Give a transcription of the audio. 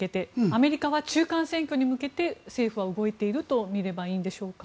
アメリカは中間選挙に向けて政府は動いているとみればいいんでしょうか。